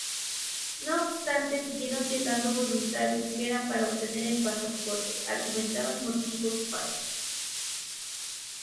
No obstante siguieron llegando voluntarios que, para obtener el pasaporte, argumentaban motivos falsos.